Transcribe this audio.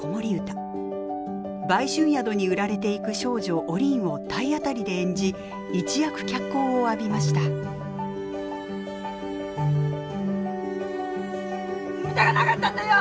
売春宿に売られていく少女・おりんを体当たりで演じ一躍脚光を浴びました産みたかなかったんだよ！